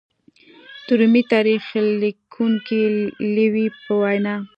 د رومي تاریخ لیکونکي لېوي په وینا